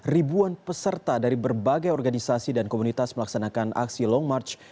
ribuan peserta dari berbagai organisasi dan komunitas melaksanakan aksi long march